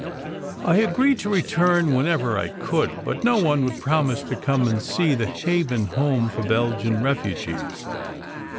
I agreed to return whenever I could, but no one would promise to come and see the "Haven Home for Belgian Refugees."